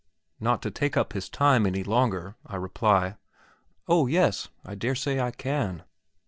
Not to take up his time any longer, I reply: "Oh yes, I daresay I can."